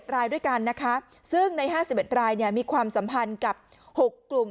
รายด้วยกันนะคะซึ่งใน๕๑รายมีความสัมพันธ์กับ๖กลุ่ม